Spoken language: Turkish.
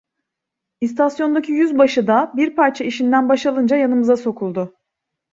İstasyondaki yüzbaşı da, bir parça işinden baş alınca yanımıza sokuldu.